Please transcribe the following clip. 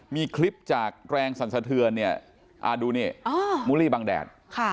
มีคลิปจากแกรงสรรสเทือนดูนี่มุริบังแดด